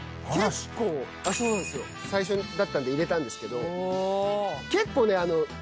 最初だったんで入れたんですけど。